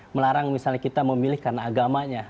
melarang misalnya kita memilih karena agamanya